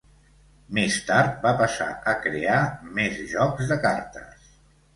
Més tard va passar a crear més jocs de cartes.